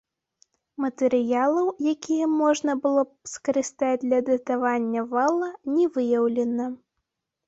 Матэрыялаў, якія можна было б скарыстаць для датавання вала, не выяўлена.